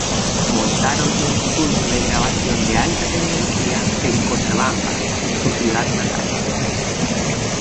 Montaron un estudio de grabación de alta tecnología en Cochabamba, su ciudad natal.